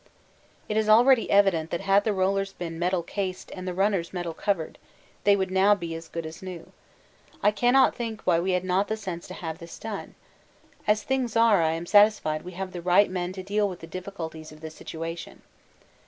It is already evident that had the rollers been metal cased and the runners metal covered, they would now be as good as new. I cannot think why we had not the sense to have this done. As things are I am satisfied we have the right men to deal with the difficulties of the situation.